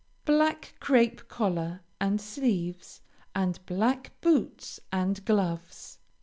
Black crape collar and sleeves, and black boots and gloves.